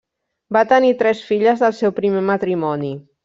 Va tenir tres filles del seu primer matrimoni.